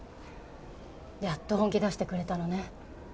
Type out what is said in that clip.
やっと本気出してくれたのね。